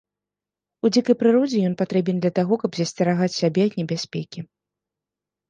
У дзікай прыродзе ён патрэбен для таго, каб засцерагаць сябе ад небяспекі.